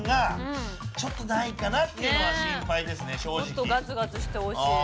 もっとガツガツしてほしい。